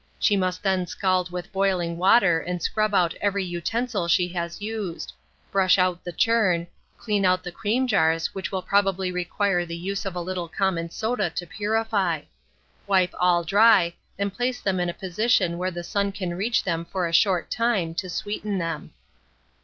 She must then scald with boiling water and scrub out every utensil she has used; brush out the churn, clean out the cream jars, which will probably require the use of a little common soda to purify; wipe all dry, and place them in a position where the sun can reach them for a short time, to sweeten them.